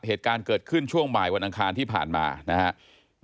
เหตุการณ์เกิดขึ้นช่วงบ่ายวันอังคารที่ผ่านมานะครับ